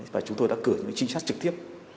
và chúng tôi đã cử những chính xác trực tiếp